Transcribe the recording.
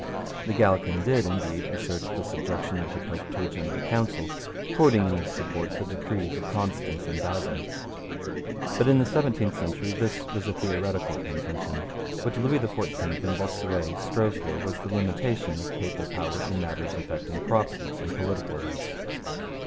The Gallican did, indeed, assert the subjection of the Pope to a General Council, quoting in his support the decrees of Constance and Basel. But in the seventeenth century this was a theoretical contention. What Louis XIV and Bossuet strove for was the limitation of papal power in matters affecting property and political rights.